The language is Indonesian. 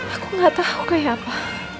aku gak tahu kayak apa